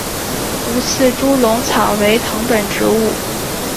无刺猪笼草为藤本植物。